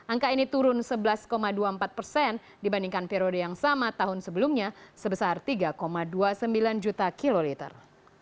angka ini turun sebelas dua puluh empat persen dibandingkan periode yang sama tahun sebelumnya sebesar tiga dua puluh sembilan juta kiloliter